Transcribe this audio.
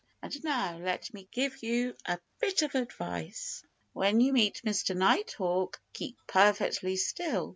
"And now let me give you a bit of advice. When you meet Mr. Nighthawk, keep perfectly still.